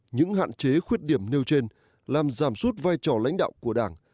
những hạn chế khuyết điểm nêu trên làm giảm suốt vai trò lãnh đạo của đảng